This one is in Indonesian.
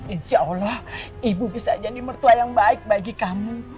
insya allah ibu bisa jadi mertua yang baik bagi kamu